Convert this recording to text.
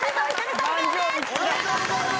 おめでとうございまーす！